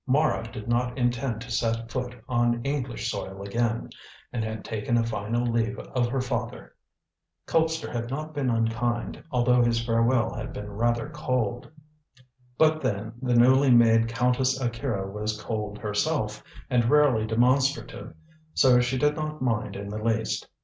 Mara did not intend to set foot on English soil again, and had taken a final leave of her father. Colpster had not been unkind, although his farewell had been rather cold. But then the newly made Countess Akira was cold herself and rarely demonstrative, so she did not mind in the least.